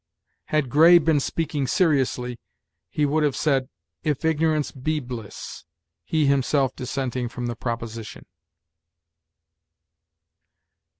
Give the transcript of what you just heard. Had Gray been speaking seriously, he would have said, 'if ignorance be bliss,' he himself dissenting from the proposition.